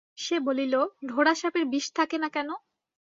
সে বলিল, ঢোড়া সাপের বিষ থাকে না কেন?